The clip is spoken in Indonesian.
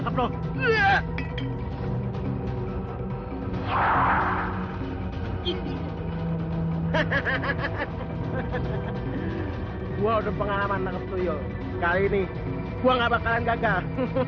saya sudah pengalaman menangkap tuyul kali ini saya tidak akan gagal